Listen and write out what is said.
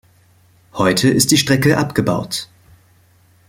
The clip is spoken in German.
Heute ist die Strecke abgebaut.